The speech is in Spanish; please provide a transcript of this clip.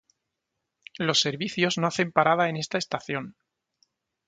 Los servicios no hacen parada en esta estación.